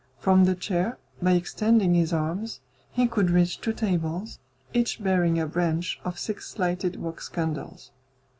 From the chair, by extending his arms, he could reach two tables, each bearing a branch of six lighted wax candles.